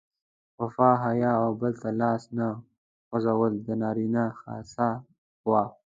وفا، حیا او بل ته لاس نه غځول د نارینه خاصه وه.